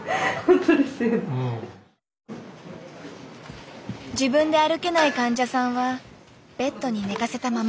自分で歩けない患者さんはベッドに寝かせたままで。